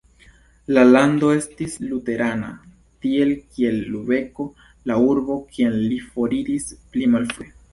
La lando estis luterana, tiel kiel Lubeko, la urbo kien li foriris pli malfrue.